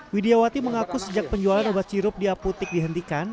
widiawati mengaku sejak penjualan obat sirup di apotik dihentikan